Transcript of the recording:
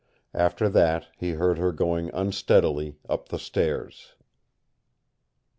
After that he heard her going unsteadily up the stairs.